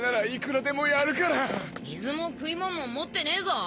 水も食いもんも持ってねえぞ。